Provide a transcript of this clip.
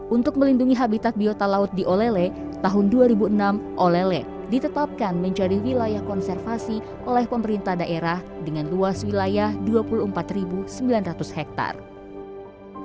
untuk melindungi habitat biota laut di olele tahun dua ribu enam olele ditetapkan menjadi wilayah konservasi oleh pemerintah daerah dengan luas wilayah dua puluh empat sembilan ratus hektare